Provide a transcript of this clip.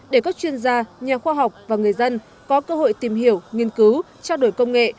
để các chuyên gia nhà khoa học và người dân có cơ hội tìm hiểu nghiên cứu trao đổi công nghệ